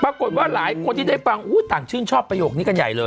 ปรากฏว่าหลายคนที่ได้ฟังต่างชื่นชอบประโยคนี้กันใหญ่เลย